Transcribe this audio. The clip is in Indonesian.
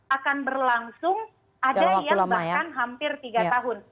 akan berlangsung ada yang bahkan hampir tiga tahun